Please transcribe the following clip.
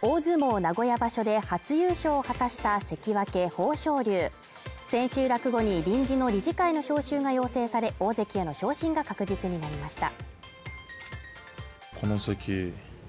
大相撲名古屋場所で初優勝を果たした関脇・豊昇龍千秋楽後に臨時の理事会の招集が要請され大関への昇進が確実になりました